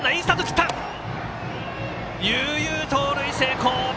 悠々、盗塁成功。